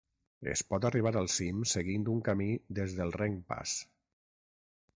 Es pot arribar al cim seguint un camí des del Renggpass.